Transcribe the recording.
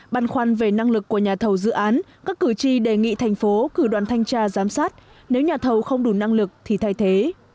băn khoăn về năng lực của nhà thầu dự án các cử tri đề nghị thành phố cử đoàn thanh tra giám sát nếu nhà thầu không đủ năng lực thì thay thế